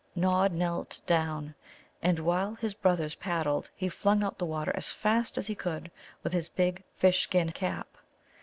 Nod knelt down, and, while his brothers paddled, he flung out the water as fast as he could with his big fish skin cap.